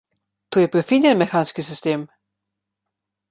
To je prefinjen mehanski sistem!